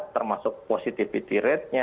termasuk positivity ratenya